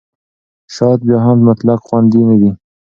شات بیا هم مطلق خوندي نه دی.